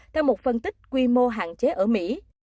theo một phân tích quy mô hạn chế ở mỹ